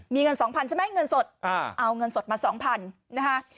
มีเงิน๒๐๐ใช่ไหมเงินสดเอาเงินสดมา๒๐๐นะคะ